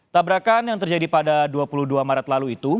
tabrakan yang terjadi pada dua puluh dua maret lalu itu